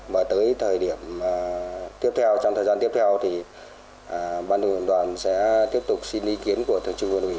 và tới thời điểm tiếp theo trong thời gian tiếp theo ban thường vụ đoàn sẽ tiếp tục xin ý kiến của thượng trưởng quân ủy